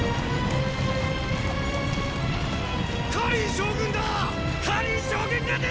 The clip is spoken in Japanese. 燐将軍だ！